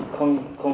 không có đâu